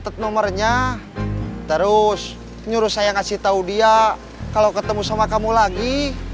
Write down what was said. katet nomernya terus nyuruh saya ngasih tau dia kalau ketemu sama kamu lagi